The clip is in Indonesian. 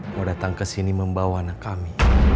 mau datang kesini membawa anak kami